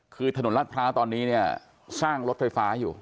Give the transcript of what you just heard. คือถนนรัฐพร้าวตอนนี้เนี่ยสร้างรถไฟฟ้าอยู่